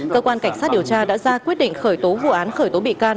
cơ quan cảnh sát điều tra đã ra quyết định khởi tố vụ án khởi tố bị can